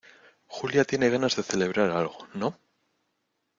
Julia tiene ganas de celebrar algo, ¿ no?